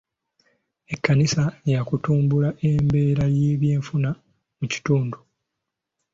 Ekkanisa yaakutumbula embeera y'ebyenfuna mu kitundu.